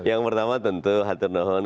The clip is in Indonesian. yang pertama tentu hati hati